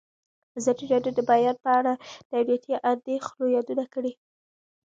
ازادي راډیو د د بیان آزادي په اړه د امنیتي اندېښنو یادونه کړې.